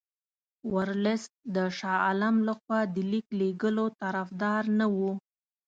ورلسټ د شاه عالم له خوا د لیک لېږلو طرفدار نه وو.